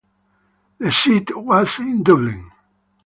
The seat was in Dublin.